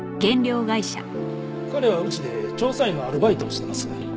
彼はうちで調査員のアルバイトをしてます。